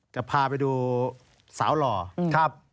จะพาไปดูสาวหล่อครับ